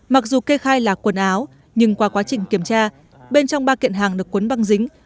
mặc dù kê khai là quần áo nhưng qua quá trình kiểm tra bên trong ba kiện hàng được cuốn băng dính